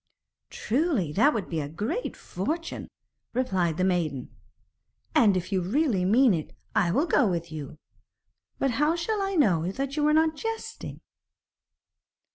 'Truly, that would be a great fortune,' replied the maiden. 'And, if you really mean it, I will go with you. But how shall I know that you are not jesting?'